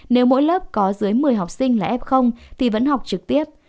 nếu mỗi lớp có dưới một mươi học sinh là f thì vẫn học trực tiếp